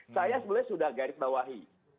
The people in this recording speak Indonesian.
saya sebenarnya sudah garis bawahi